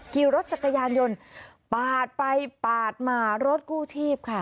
ขี่รถจักรยานยนต์ปาดไปปาดมารถกู้ชีพค่ะ